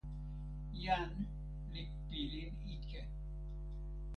jan li pilin ike.